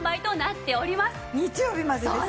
日曜日までですね。